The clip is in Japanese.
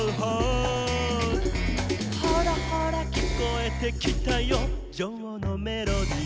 「ほらほらきこえてきたよジョーのメロディー」